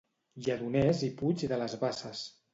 Lledoners i Puig de les Basses.